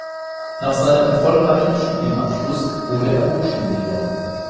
Nach seinem erfolgreichen Studienabschluss wurde er Hochschullehrer.